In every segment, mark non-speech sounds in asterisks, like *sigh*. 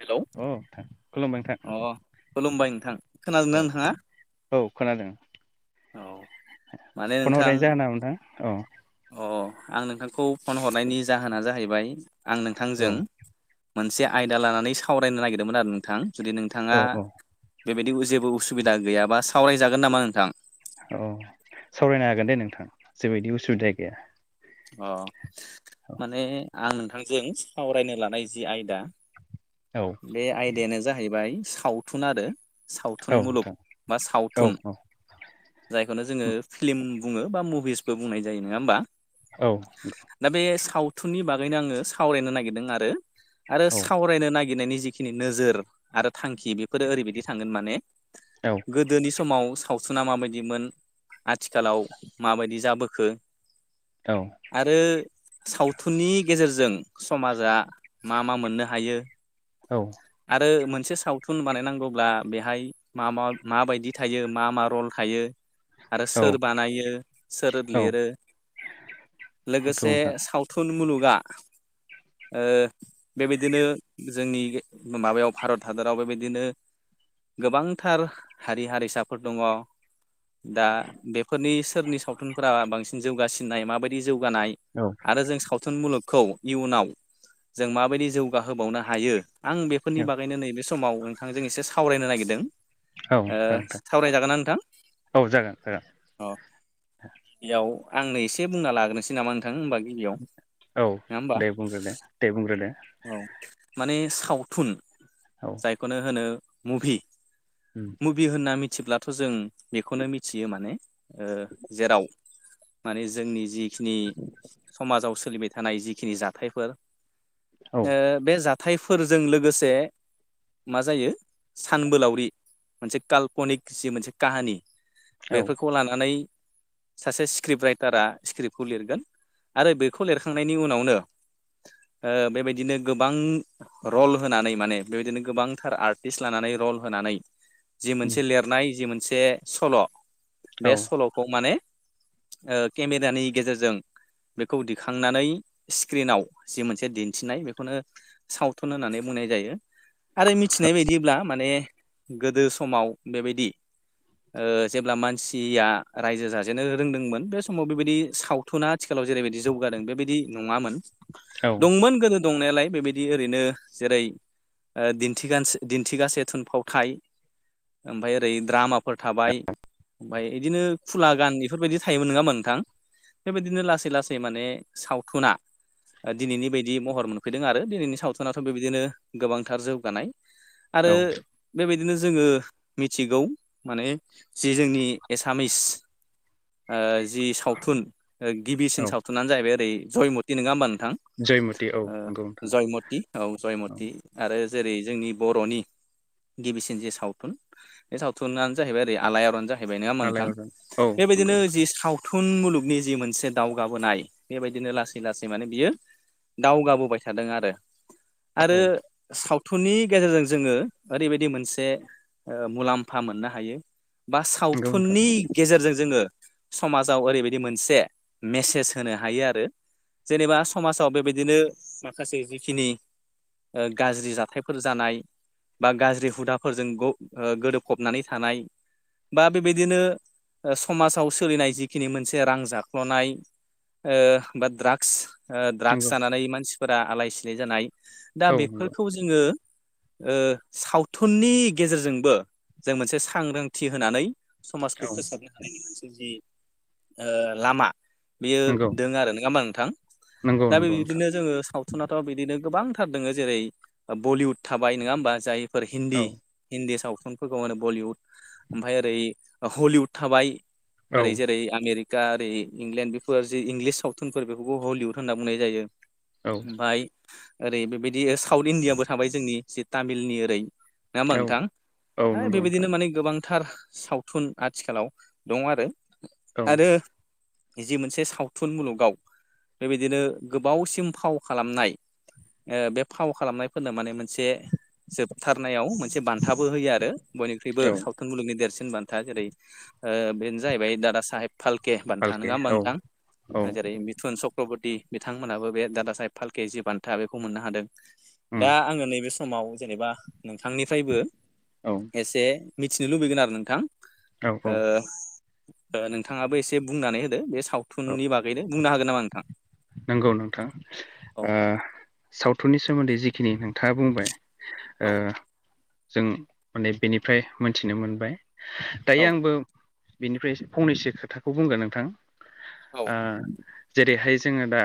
Hello औ नोंथां खुलुमबाय नोंथां अ खुलुमबाय नोंथां खोनादोंना औ नोंथाङा? औ खोनादों औ माने फन नोंथां हरायनाय जाहोन नामा नोंथां औ। अ आं नोंथांखौ फन हरनायनि जाहोना जाहैबाय आं औ नोंथांजों मोनसे आयदा लानानै सावरायनो नागिरदोंमोन आरो नोंथां जुदि नोंथाङा औ औ बेबायदि जेबो उसुबिदा गैयाबा सावरायजागोन नामा नोंथां? औ सावरायनो हागोन दे नोंथां जेबोबायदि उसुबिदा गैया। अ औ माने आं नोंथांजों सावरायनो लानाय जि आयदा औ। बे आयदायानो जाहैबाय सावथुन आरो औ सावथुन मुलुग नोंथां बा औ सावथुन जायखौनो जोङो फिल्म बुङो बा मुभिसबो बुंनाय जायो नङा होमबा? औ। दा बे सावथुननि बागैनो आङो सावरायनो नागिरदों आरो आरो सावरायनो नागिरदों नागिरनायनि जिखिनि नोजोर आरो थांखि बेफोरो ओरैबायदि थांगोन माने औ। गोदोनि समाव सावथुना माबायदिमोन आथिखालाव माबायदि जाबोखो औ। आरो सावथुननि गेजेरजों समाजा मा मा मोननो हायो औ। आरो मोनसे सावथुन बानायनांगौब्ला बेहाय मा माबायदि थायो मा मा रल थायो आरो सोर औ बानायो सोर औ लिरो नंगौ लोगोसे नोंथां सावथ थुन मुलुगा ओ बेबायदिनो जोंनि माबायाव भारत हादराव बेबायदिनो गोबांथार हारि हारिसाफोर दङ दा बेफोरनि सोरनि सावथुनफोरा बांसिन जौगासिननाय माबायदि जौगानाय औ। आरो जों सावथुन मुलुगखौ इयुनाव जों माबायदि जौगाहोबावनो हायो आं बेफोरनि बागैनो नैबे समाव नोंथांजों एसे सावरायनो नागिरदों। औ जागोन नोंथां सावरायजागोनना नोंथां औ जागोन जागोन अ गिबियाव आंनो एसे बुंना लाग्रोनोसै नामा? नों होनोमा गिबियाव औ नङा होमबा दे बुंग्रो दे दे बुंग्रो दो औ माने सावथुन औ जायखौनो होनो मुभि उम मुभि होनना मिथिब्लाथ' जों बेखौनो मिथियो माने ओ जेराव माने जोंनि जिखिनि समाजाव सोलिबाय थानाय जिखिनि जाथायफोर औ बे जाथायफोरजों लोगोसे मा जायो सानबोलावरि मोनसे काल्पनिक जि मोनसे काहानि औ बेफोरखौ लानानै सासे स्क्रिप्ट राइटारा स्क्रिप्टखौ लिरगोन आरो बेखौ लिरखांनायनि उनावनो ओ बेबायदिनो गोबां रल होनानै माने बेबायदिनो गोबांथार आर्टिस्ट लानानै रल होनानै जि उम मोनसे लिरनाय जि मोनसे सल' औ बे सल'खौ माने केमेरानि गेजेरजों बेखौ दिखांनानै स्क्रिनाव जि मोनसे दिन्थिनाय बे बेखौनो सावथुन होननानै बुंनाय जायो। आरो मिथिनाय बायदिब्ला माने गोदो समाव बेबायदि ओ जेब्ला मानसिया रायजो जाजेनो रोंदोंमोन बे समाव बेबायदि साउथ थुना आथिखालाव जेरैबायदि जौगादों बेबायदि नङामोन दंमोन गोदो दंनायालाय बेबायदि ओरैनो जेरै ओ दिन्थिगास दिन्थिगासे थुनफावथाय ओमफ्राय ओरै द्रामाफोर थाबाय ओमफ्राय बिदिनो खुला गान बेफोरबायदि थायोमोन। नङामा होनबा नोंथां? बेबायदिनो लासै लासै माने सावथुना दिनैनि बायदि महर मोन फैदों आरो दिनैनि सावथुनाथ' बेबायदिनो गोबांथार जौगानाय आरो औ बेबायदिनो जोङो मिथिगौ माने जि जोंनि एसामिस ओ जि सावथुन गिबिसिन औ सावथुनानो जाहैबाय ओरै जयमति नङा होमबा नोंथां? जयमति औ ओ नंगौ नोंथां जयमत औ औ जयमति आरो जेरै जोंनि बर'नि गिबिसिन जे सावथुन बे सावथुनानो जाहैबाय ओरै आलायारन नङा होमबा नोंथां आलायारन औ नंगौ बेबायदिनो औ जि साव थुन मुलुगनि जि मोनसे दावगाबोनाय बेबायदिनो लासै लासै माने बियो दावगाबोबाय थादों आरो। आरो नंगौ सावथुननि गेजेरजों जोंङो ओरैबायदि मोनसे ओ मुलाम्फा मोननो हायो। बा नोंथां सावथुननि गेजेरजों जोङो समाजाव ओरैबायदि मोनसे मेसेज होनो हायो आरो जेनेबा समाजाव बेबायदि बिदिनो माखासे जिखिनि गाज्रि जाथाय फोर जानाय बा गाज्रि हुदाफोरजों ग ओ गोदोफबनानै थानाय बा बेबायदिनो समाजाव सोलिनाय जिखिनि मोनसे रां जाख्ल'नाय ओ बा द्राग्स ओ नंगौ द्राग *unintelligible* मानसिफोरा आलाय सिलाय जानाय बा औ नंगौ बेफोरखौ जोंङो ओ सावथुननि गेजेरजोंबो जों मोनसे सांग्रांथि होनानै समाजखौ औ फोसाबनो हानायनि मोनसे जि ओ लामा बियो नंगौ दों आरो नंङा होमबा नोंथां नंगौ दा बे नंगौ नोंथां बिदिनो जोंङो साउ सावथुनाथ' बिदिनो गोबांथार दङो जेरै बलिउद थाबाय नङा होमबा जायफोर औ हिन्दी हिन्दी सावथुनफोरखौ र बलिउड ओमफ्राय ओरै हलिउद थाबाय औ ओरै जेरै आमेरिका ओरै इंलेण्ड बेफोर जि इंलिस सावथुनफोर बेखौबो हलिउद होनना बुंनाय जायो औ ओमफाय ओरै बेबायदि साउथ इण्डियाबो थाबाय जोंनि जि तामिलनि ओरै नङा होनमा औ नोंथां औ ओइ नंगौ बेबायदिनो नोंथां माने गोबां थार सावथुन आथिखालाव दंङ आरो। औ आरो जि मोनसे सावथुन मुलुगाव बेबायदिनो गोबावसिम फाव खालामनाय ओ बे फाव खालामनायफोरनो माने मोनसे जोबथारनायाव मोनसे बान्थाबो होयो आरो। बयनिख्रुइबो औ सावथुन मुलुगनि देरसिन बान्था जेरै ओ बेनो जाहैबाय दादा साहेब फाल्के बान्था पालके नङा होमबा औ नोथां औ जेरै मिथुन चक्रबर्ति बिथांमोनहाबो बे दादा साहब फालके जि बान्था बेखौ मोननो हादों। उम दा आङो नैबे समाव जेनेबा नोंथांनिफ्रायबो औ एसे मिथिनो लुबैगोन आरो नोंथां। औ औ ओ नोंथाङाबो एसे बुंनानै होदो बे औ सावथुननि बागै बेनो बुंनो हागोन नामा नोंथां? नंगौ नोंथां औ ओ सावथुननि सोमोन्दै जिखिनि नोंथाङा बुंबाय। औ ओ जों माने बेनिफ्राय मोनथिनो मोनबाय दायो औ आंबो बिनिफ्राय फंनैसो खोथाखौ बुंगोन नोंथां। औ ओ जेरैहाय जोंङो दा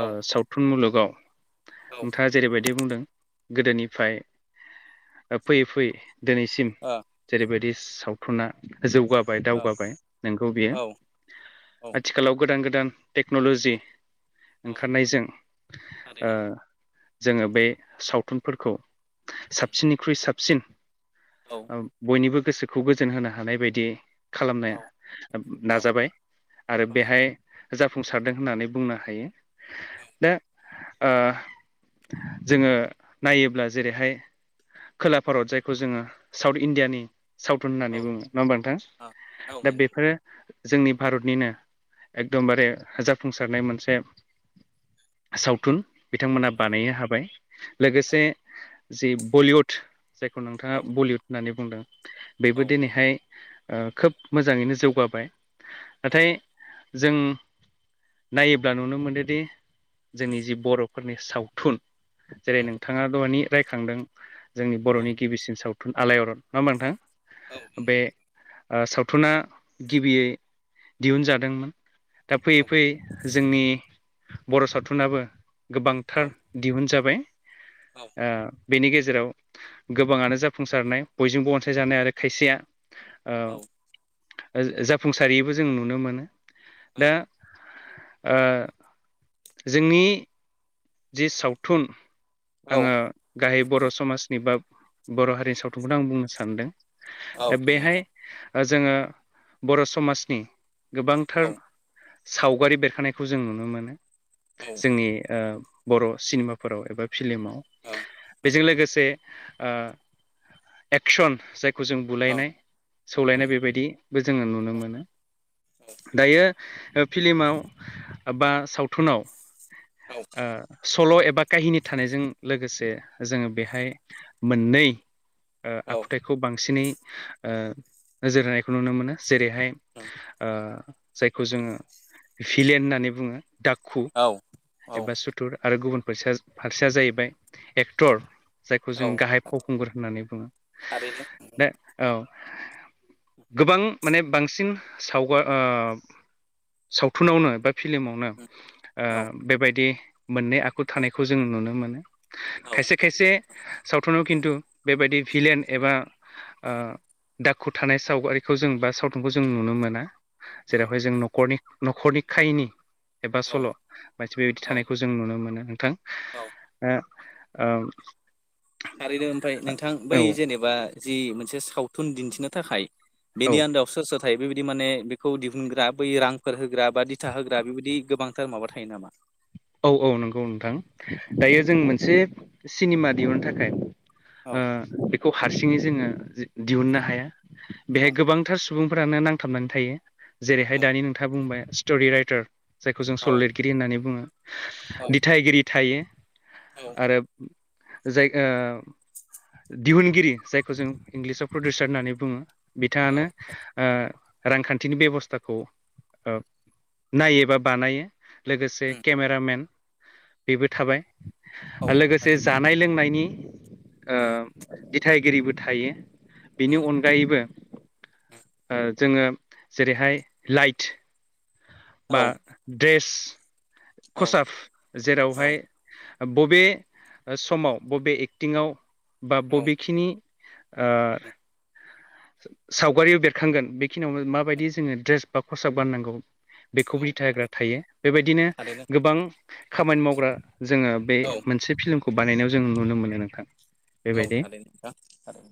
ओ सावथुन मुलुगाव ओ नोंथाङा जेरैबायदि बुंदों गोदोनिफ्राय फैयै फैयै दिनैसिम अ जेरैबायदि सावथुना जौगाबाय दावगाबाय नोंगौ बियो औ औ आथिखालाव गोदान गोदान टेक्न'ल'जि ओंखारनायजों ओ थारैनो जोंङो बे सावथुनफोरखौ साबसिननिख्रुइ साबसिन औ बयनिबो गोसो खौ गोजोन होनो हानाय बायदि औ खालामनो औ नाजाबाय। औ जाफुंसारदों। दा जोङो नायोब्ला जेरैहाय खोला भारत जायखौ जोङो साउथ इण्डियानि सावथुन औ होननानै बुङो। नङा होमबा नोंथां औ औ औ दा बेफोरो जोंनि भारतनिनो। एकदमबारे जाफुंसारनाय मोनसे सावथुन बिथांमोना बानायनो हाबाय लोगोसे जि बलिउड जायखौ नोंथां औ आ ओ खोब मोजाङैनो जौगाबाय। नाथाय जों नायोब्ला नुनो मोनोदि जोंनि जि बर'फोरनि सावथुन जेरै नोंथाङा दहानि रायखांदों जोंनि बर'नि गिबिसिन सावथुन आलायरन मा होमबा नोंथां। बे सावथुना गिबियै दिहुनजादोंमोन। दा फैयै फैयै जोंनि बर' सावथुनाबो। गोबांथार दिहुन जाबाय। बेनि गेजेराव गोबाङानो जाफुंसारनाय बयजोंबो अन अनसायजानाय। आरो खायसेया जाफुंसारिबो जों नुनो मोनो। दा जोंनि जि सावथुन आङो। गाहाय बर' समाजनि बा बर' हारिनि सावथुनखौनो आं बुंनो सानदों दा नंगौ बेहाय। नोंथां जोङो बर' समाजनि गोबांथार औ सावगारि बेरखानायखौ जों नुनो मोनो। जोंनि बर' सिनेमाफोराव एबा फिलमाव बेजों लोगोसे ओ एक्सन जायखौ जों बुलायनाय सौलायनाय बेबायदि। बो जोङो नुनो मोनो दायो। फिल्माव बा सावथुनाव औ ओ सल' एबा काहिनि थानायजों लोगोसे जोङो बेहाय मोननै। आखुथायखौ बांसिनै नोजोर होनायखौ नुनो मोनो। जेरैहाय जायखौ जोङो भिलेन होननानै बुङो। दाखु औ एबा सुथुर आरो गुबुन फारसे फारसेया जाहैबाय एक्टर जायखौ औ जों गाहाय फावखुंगुर होननानै बुङो। थारैनो दा औ गोबां माने बांसिन सावगार सावथुनावनो बा फिल्मावनो औ बेबायदि मोननै आखु औ थानायखौ जों नुनो मोनो। औ खायसे खायसे सावथुनाव औ खिन्थु बेबायदि भिलेन एबा दाखु थानाय सावगारिखौ जों बा सावथुनखौ जों नुनो मोना। जेरावहाय जों नखरनि न'खरनि खाहिनि एबा सल' मानसि बेबायदि औ थानायखौ जों नुनो मोनो नोंथां। औ आ आ थारैनो ओमफ्राय नोंथां बै जेनेबा जि मोनसे सावथुन दिन्थिनो थाखाय औ बेनि आन्दोआव सोर सोर थायो बेबायदि माने बेखौ दिहुनग्रा बै रांफोर होग्रा बा दिथा होग्रा बेबायदि गोबांथार माबा थायो नामा? औ औ नंगौ नोंथां। दायो जों मोनसे सिनेमा दिहुननो थाखाय। औ बेखौ हारसिङै जोङो दिहुननो हाया बेहाय औ गोबांथार सुबुंफोरानो नांथाबनानै थायो। जेरैहाय औ दानि नोंथाङा बुंबाय स्ट'रि राइटार जायखौ जों सल लिर लिरगिरि होननानै बुङो। औ दिथगिरि थायो औ आरो जाय दिहुनगिरि जायखौ जों इंलिसाव प्रडिउसार होननानै बुङो। बिथाङानो। औ ओ रांखान्थिनि बेबस्थाखौ नायो बा बानायो लोगोसे उम केमेरामेन बेबो थाबाय औ आरो लोगोसे थारैनो जानाय लोंनायनि ओ उम दिथाइगिरिबो थायो। बिनि उम अनगायैबो उम ओ जोङो जेरैहाय लाइट औ बा द्रेस। औ खसाब जेरावहाय बबे समाव बबे एक्टिंआव बा औ बबेखिनि ओ- सावगारियाव बेरखांगोन बेखिनियावनो माबायदि जोङो ड्रेस बा खसाब गाननांगौ? बेखौ औ बिथा होग्रा थायो। बेबायदिनो थारैनो गोबां खामानि मावग्रा जोङो बे औ मोनसे फिल्मखौ बानायनायाव जों नुनो मोनो नोंथां। औ बेबायदि थारैनो नोंथां थारै।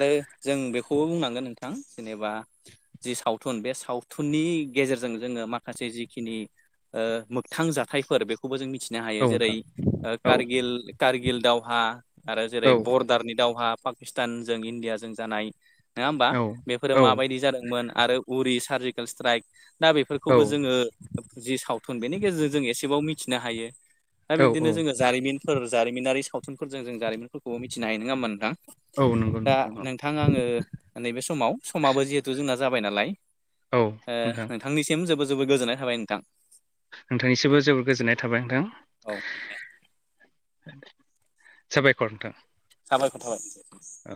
आरो जों बेखौबो बुंनांगोन नोंथां जेनेबा जि सावथुन बे सावथुननि गेजेरजों जोङो माखासे जिखिनि ओ मोगथां जाथायफोर बेखौ खौबो जों मिथिनो हायो औ जेरै नोंथां औ कारगिल कारगिल दावहा। आरो जेरै औ बरदारनि दावहा पाकिस्तानजों इण्डियाजों जानाय। नोङा होमबा औ बेफोरो माबायदि जादोंमोन आरो उरि सार्जिकेल स्ट्राइक। दा औ बेफोरखौबो जोङो जि सावथुन बेनि गेजेरजों जों एसेबाव मिथिनो हायो। दा औ बिब्दिनो औ जोङो जारिमिनफोर जारिमिनारि सावथुनफोरजों जों जारिमिन। फोरखौ मिथिनो हायो नङा होमबा नोंथां औ नंगौ दा औ नोंथां थां आङो नैबे समाव समाबो जिहेथु जोंना जाबाय नालाय औ ओ नोंथां नों थांनिसिम जोबो जोबो गोजोननाय थाबाय नोंथां। नोंथांनिसिमबो जोबोर गोजोननाय थाबाय नोंथां। औ साबायखर नोंथां। साबायखर थाबाय। औ।